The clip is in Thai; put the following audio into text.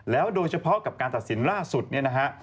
แล้วโดยเฉพาะกับการตัดสินล่าสุดเนี่ยนะฮะ